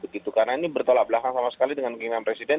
karena ini bertolak belakang sama sekali dengan klinam presiden